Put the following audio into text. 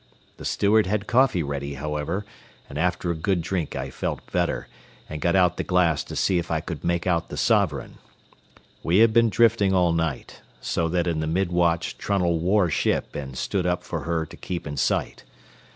The steward had coffee ready, however, and after a good drink I felt better, and got out the glass to see if I could make out the Sovereign. We had been drifting all night, so that in the mid watch Trunnell wore ship and stood up for her to keep in sight.